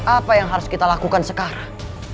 apa yang harus kita lakukan sekarang